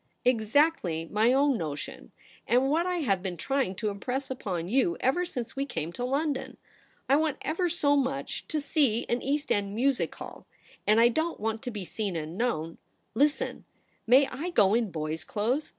' Exactly my own notion, and what I have been trying to impress upon you ever since we came to London. I want ever so much to see an East End music hall ; and I don't want to be seen and known. Listen. May I go in boy's clothes